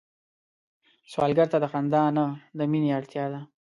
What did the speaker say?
سوالګر ته د خندا نه، د مينه اړتيا ده